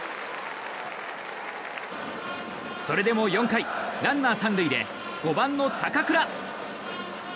それでも４回、ランナー３塁で５番の坂倉。